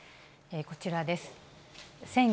こちらです。